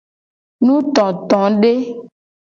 Nutotode.